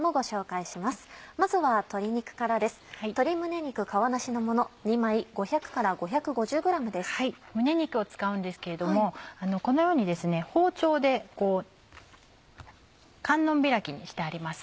胸肉を使うんですけれどもこのように包丁で観音開きにしてあります。